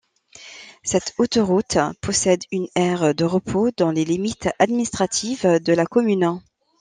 Cette autoroute possède une aire de repos dans les limites administratives de la commune.